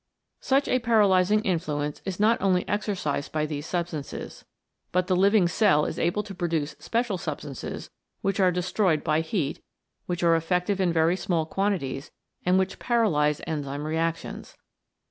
Such a paralysing influence is not only exercised by these substances, but the living cell is able to produce special substances, which are destroyed by heat, which are effective in very small quanti ties, and which paralyse enzyme reactions.